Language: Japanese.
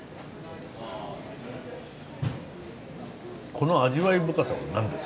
この味わい深さは何ですか？